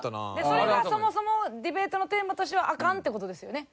それがそもそもディベートのテーマとしてはアカンって事ですよね？